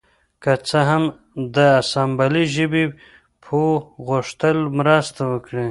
که څه هم د اسامبلۍ ژبې پوه غوښتل مرسته وکړي